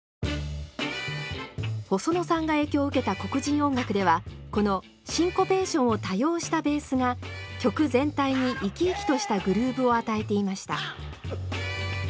細野さんが影響を受けた黒人音楽ではこのシンコペーションを多用したベースが曲全体に生き生きとしたグルーブを与えていました。